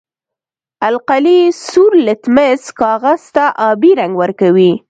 القلي سور لتمس کاغذ ته آبي رنګ ورکوي.